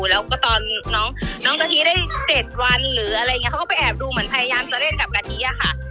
แล้วก็ตอนน้องกะทิได้๗วันหรืออะไรอย่างนี้เขาก็ไปแอบดูเหมือนพยายามจะเล่นกับกะทิอะค่ะ